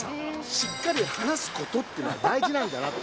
しっかり話すことっていうのは大事なんだなと。